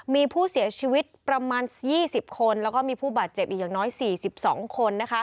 มีผู้เสียชีวิตประมาณ๒๐คนแล้วก็มีผู้บาดเจ็บอีกอย่างน้อย๔๒คน